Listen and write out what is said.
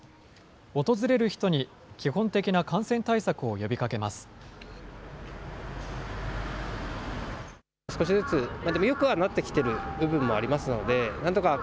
訪れる人に、基本的な感染対策を呼びかけます。